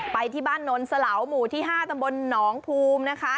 ไปที่บ้านนนสลาวหมู่ที่๕ตำบลหนองภูมินะคะ